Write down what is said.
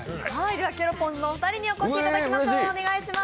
ケロポンズのお二人にお越しいただいています。